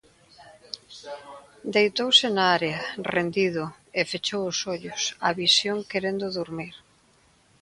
Deitouse na area, rendido, e fechou os ollos á visión querendo durmir.